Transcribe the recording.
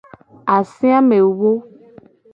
Ase amewo.